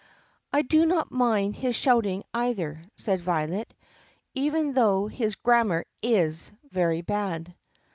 "I do not mind his shouting either," said Violet, "even though his grammar is very bad."